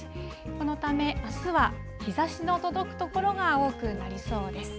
このため、あすは日ざしの届く所が多くなりそうです。